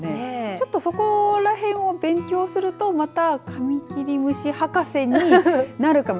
ちょっとそこらへんを勉強するとまたカミキリムシ博士になるかも。